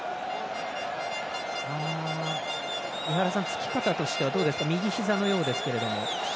着き方としては、どうですか右ひざのようですけれども。